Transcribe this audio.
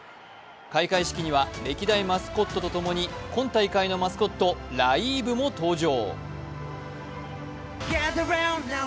開会式には歴代マスコットとともに今大会のマスコットライーブも登場。